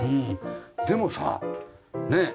でもさねえ。